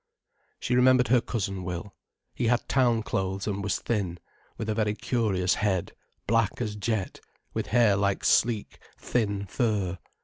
She remembered her cousin Will. He had town clothes and was thin, with a very curious head, black as jet, with hair like sleek, thin fur.